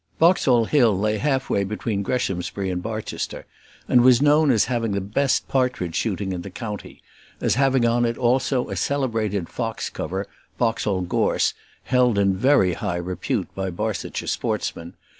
Boxall Hill lay half way between Greshamsbury and Barchester, and was known as having the best partridge shooting in the county; as having on it also a celebrated fox cover, Boxall Gorse, held in very high repute by Barsetshire sportsmen.